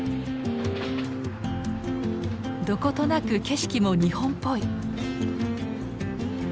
どことなく景色も日本っぽい。